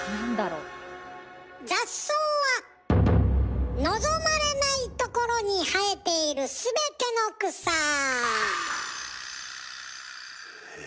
雑草は望まれないところに生えているすべての草。え？